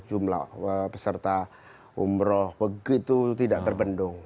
jumlah peserta umroh begitu tidak terbendung